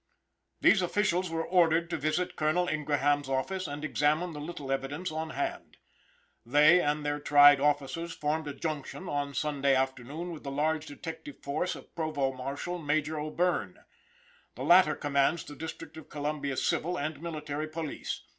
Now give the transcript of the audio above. These officials were ordered to visit Colonel Ingraham's office and examine the little evidence on hand. They and their tried officers formed a junction on Sunday afternoon with the large detective force of Provost Marshal Major O'Bierne. The latter commands the District of Columbia civil and military police.